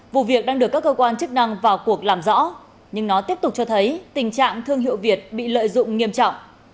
vụ việc đang được các cơ quan chức năng vào cuộc làm rõ nhưng nó tiếp tục cho thấy tình trạng thương hiệu việt bị lợi dụng nghiêm trọng